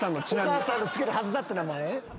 お母さんの付けるはずだった名前。